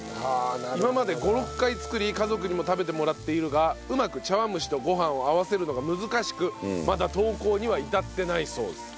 今まで５６回作り家族にも食べてもらっているがうまく茶碗蒸しとご飯を合わせるのが難しくまだ投稿には至ってないそうです。